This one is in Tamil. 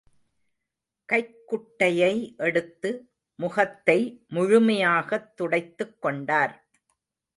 கைக்குட்டையை எடுத்து முகத்தை முழுமையாகத் துடைத்துக் கொண்டார்.